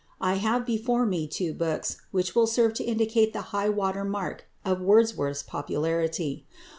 I have before me two books which will serve to indicate the high water mark of Wordsworth's popularity.